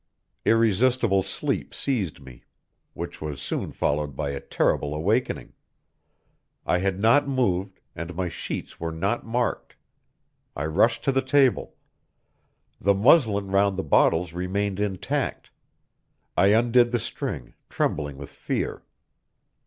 Irresistible sleep seized me, which was soon followed by a terrible awakening. I had not moved, and my sheets were not marked. I rushed to the table. The muslin round the bottles remained intact; I undid the string, trembling with fear.